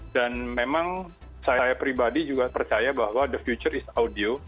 dan memang saya pribadi juga percaya bahwa the future is audio